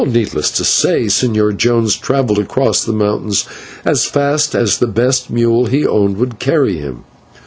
Needless to say the Señor Jones travelled across the mountains as fast as the best mule he owned would carry him.